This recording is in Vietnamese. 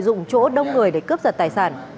dụng chỗ đông người để cướp giật tài sản